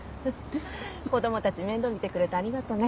子供たち面倒見てくれてありがとね。